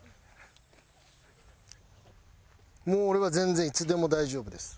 もう俺は全然いつでも大丈夫です。